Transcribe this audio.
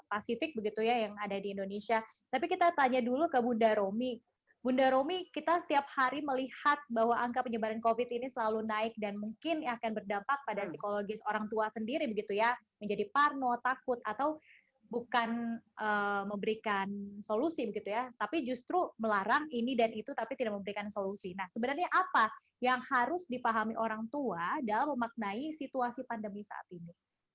asia pasifik begitu ya yang ada di indonesia tapi kita tanya dulu ke bunda romi bunda romi kita setiap hari melihat bahwa angka penyebaran covid ini selalu naik dan mungkin akan berdampak pada psikologis orang tua sendiri begitu ya menjadi parno takut atau bukan memberikan solusi gitu ya tapi justru melarang ini dan itu tapi tidak memberikan solusi nah sebenarnya apa yang harus dipahami orang tua dalam memaknai situasi pandemi saat ini